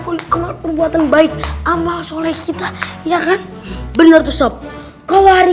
hai hai kita harus mengumpulkan perbuatan baik amal soleh kita iya kan bener tuh sop kalau hari